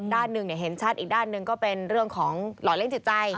ด้านหนึ่งเห็นชัดอีกด้านหนึ่งก็เป็นเรื่องของหล่อเล่นจิตใจ